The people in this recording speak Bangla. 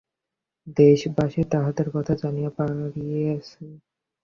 দেশবাসী তাহাদের কথা জানিতে পারিয়াছে।